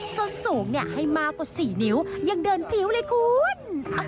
ส่วนสูงให้มากกว่า๔นิ้วยังเดินผิวเลยคุณ